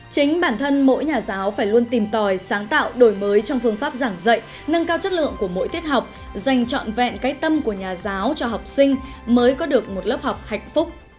chính bản thân mỗi nhà giáo phải luôn tìm tòi sáng tạo đổi mới trong phương pháp giảng dạy nâng cao chất lượng của mỗi tiết học dành trọn vẹn cái tâm của nhà giáo cho học sinh mới có được một lớp học hạnh phúc